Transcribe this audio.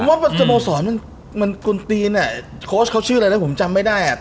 ผมว่าสโมสรมันกลตีนโค้ชเค้าชื่ออะไรแล้วผมจำไม่ได้